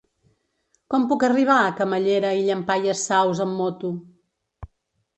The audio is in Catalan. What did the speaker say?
Com puc arribar a Camallera i Llampaies Saus amb moto?